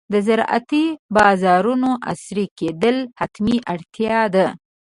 د زراعتي بازارونو عصري کېدل حتمي اړتیا ده.